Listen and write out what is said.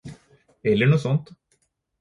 Eller noe sånt